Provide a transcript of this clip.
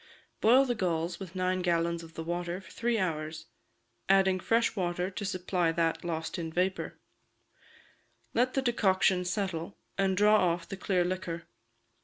Boil the galls with nine gallons of the water for three hours, adding fresh water to supply that lost in vapour; let the decoction settle, and draw off the clear liquor.